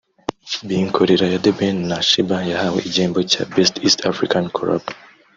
Binkolera ya The Ben na Sheebah yahawe igihembo cya (Best East African Collabo)